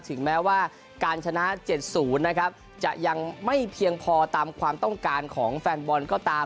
ถึงแม้ว่าการชนะ๗๐นะครับจะยังไม่เพียงพอตามความต้องการของแฟนบอลก็ตาม